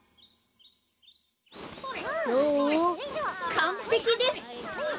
かんぺきです！